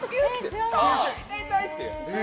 痛い、痛いって。